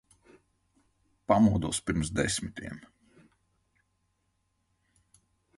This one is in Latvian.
Pamodos pirms desmitiem.